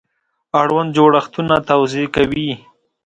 اړوند جوړښتونه توضیح کوي.